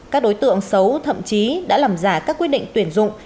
các đối tượng xấu thậm chí đã làm giả các quyết định tuyển dụng